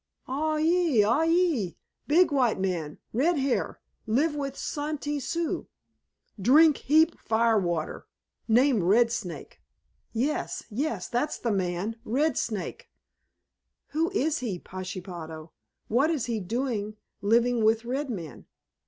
"Ai ee, ai ee! Big white man, red hair, live with Santee Sioux! Drink heap fire water! Name Red Snake." "Yes—yes—that's the man—Red Snake. Who is he, Pashepaho? What is he doing living with red men?